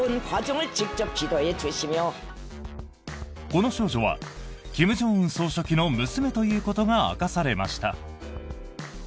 この少女は金正恩総書記の娘ということが明かされました。